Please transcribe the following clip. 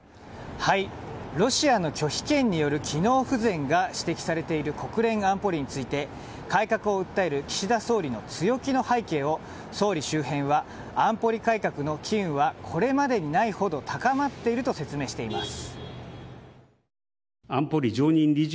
ロシアの拒否権による機能不全が指摘されている国連安保理について改革を訴える岸田総理の強気の背景を総理周辺は安保理改革の機運はこれまでにないほど高まっていると説明しています。